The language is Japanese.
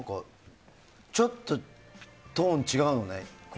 ちょっとトーン違うよね